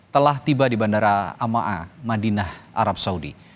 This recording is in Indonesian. telah tiba di bandara amaa ⁇ madinah arab saudi